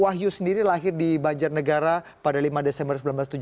wahyu sendiri lahir di banjarnegara pada lima desember seribu sembilan ratus tujuh puluh